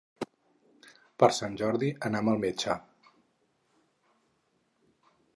Per Sant Jordi anam al metge.